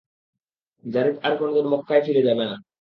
যারীদ আর কোনদিন মক্কায় ফিরে যাবে না।